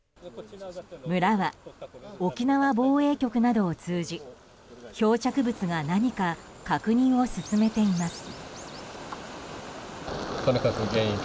村は沖縄防衛局などを通じ漂着物が何か確認を進めています。